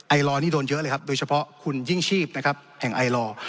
ลอนี่โดนเยอะเลยครับโดยเฉพาะคุณยิ่งชีพนะครับแห่งไอลอร์